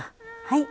はい。